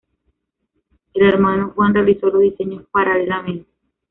El hermano Juan realizó los diseños paralelamente.